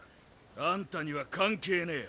あんたには関係ねぇよ。